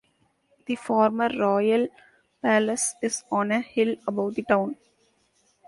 The former royal palace is on a hill above the town.